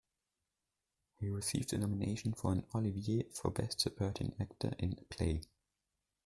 He received a nomination for an Olivier for Best Supporting Actor in a Play.